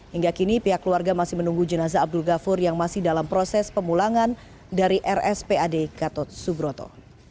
hingga kini pihak keluarga masih menunggu jenazah abdul ghafur yang masih dalam proses pemulangan dari rspad gatot subroto